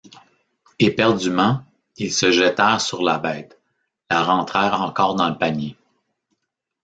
Éperdument, ils se jetèrent sur la bête, la rentrèrent encore dans le panier.